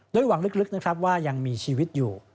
โดยหวังลึกนะครับว่ายังมีชีวิตอยู่